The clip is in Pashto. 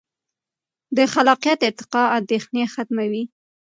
د خلاقیت ارتقا اندیښنې ختموي.